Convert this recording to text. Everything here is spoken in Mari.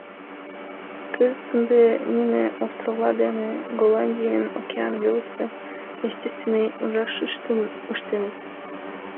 Кызыт ынде нине островла дене “Голландийын океан велысе естественный ужашыштым” ыштеныт.